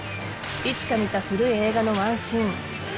いつか見た古い映画のワンシーン。